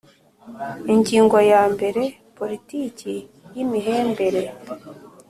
Ingingo ya mbere Politiki y imihembere